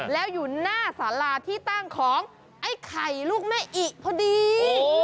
แล้วอยู่หน้าสาราที่ตั้งของไอ้ไข่ลูกแม่อิพอดี